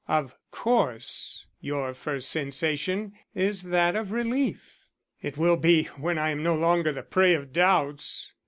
Of course, your first sensation is that of relief." "It will be when I am no longer the prey of doubts."